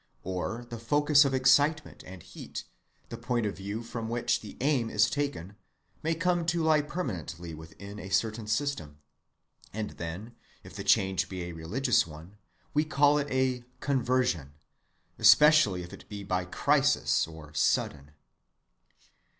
Or the focus of excitement and heat, the point of view from which the aim is taken, may come to lie permanently within a certain system; and then, if the change be a religious one, we call it a conversion, especially if it be by crisis, or sudden.